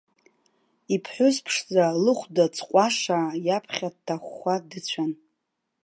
Иԥҳәыс ԥшӡа лыхәда ҵҟәашаа иаԥхьа дҭахәхәа дыцәан.